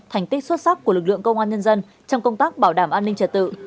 thành tích xuất sắc của lực lượng công an nhân dân trong công tác bảo đảm an ninh trật tự